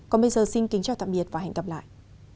còn bây giờ xin kính chào tạm biệt và hẹn gặp lại